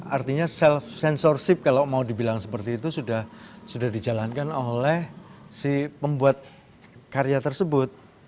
artinya self sensorship kalau mau dibilang seperti itu sudah dijalankan oleh si pembuat karya tersebut